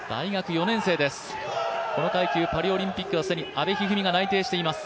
この階級、パリオリンピックは既に阿部一二三が内定しています。